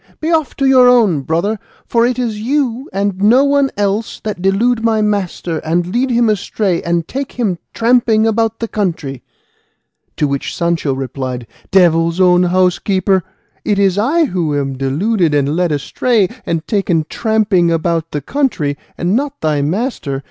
Be off to your own, brother, for it is you, and no one else, that delude my master, and lead him astray, and take him tramping about the country." To which Sancho replied, "Devil's own housekeeper! it is I who am deluded, and led astray, and taken tramping about the country, and not thy master!